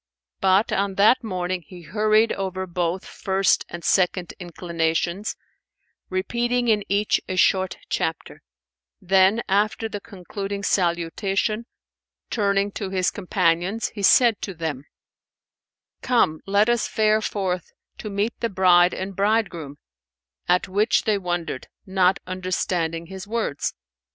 But, on that morning he hurried over both first and second inclinations, repeating in each a short chapter; then, after the concluding salutation, turning to his companions, he said to them, "Come, let us fare forth to meet the bride and bridegroom"; at which they wondered, not understanding his words.